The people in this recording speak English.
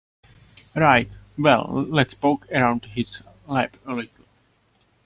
Right, well let's poke around his lab a little.